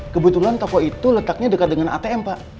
kebetulan toko itu letaknya dekat dengan atm pak